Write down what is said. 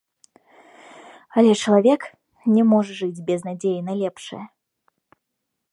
Але чалавек не можа жыць без надзеі на лепшае.